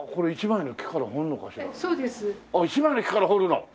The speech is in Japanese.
１枚の木から彫るの！？